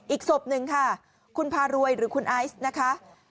อีกศพหนึ่งค่ะคุณพารวยหรือคุณไอซ์นะคะ